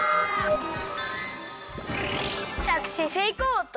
ちゃくちせいこうっと！